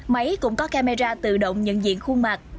máy cũng có camera tự động nhận diện khuôn mặt